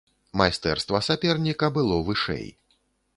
Майстэрства саперніка было вышэй.